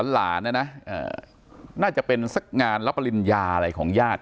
หลานนะนะน่าจะเป็นสักงานรับปริญญาอะไรของญาติ